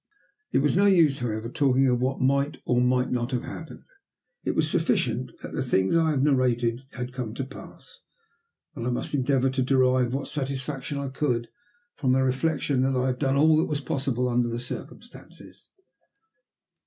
It was no use, however, talking of what might or might not have happened. It was sufficient that the things I have narrated had come to pass, and I must endeavour to derive what satisfaction I could from the reflection that I had done all that was possible under the circumstances.